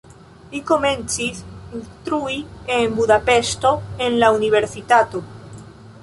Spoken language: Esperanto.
Li komencis instrui en Budapeŝto en la universitato.